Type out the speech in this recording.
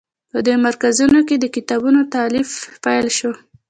په دې مرکزونو کې د کتابونو تألیف پیل شو.